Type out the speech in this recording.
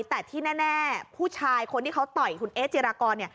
แต่ที่แน่ผู้ชายคนที่เขาต่อยคุณเอ๊จิรากร